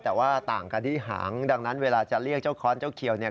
แต่ว่าต่างกันที่หางดังนั้นเวลาจะเรียกเจ้าค้อนเจ้าเขียวเนี่ย